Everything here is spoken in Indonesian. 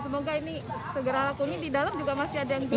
semoga ini segera lakunya di dalam juga masih ada yang jual